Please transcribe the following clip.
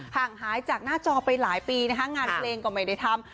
ห่างหายจากหน้าจอไปหลายปีนะคะงานเพลงก็ไม่ได้ทำ